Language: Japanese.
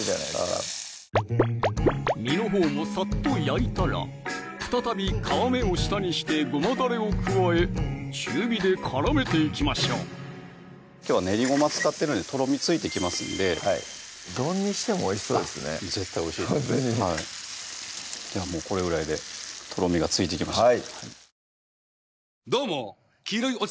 あぁ身のほうもさっと焼いたら再び皮目を下にしてごまだれを加え中火で絡めていきましょうきょうは練りごま使ってるんでとろみついてきますんで丼にしてもおいしそうですね絶対おいしいですではこれぐらいでとろみがついてきました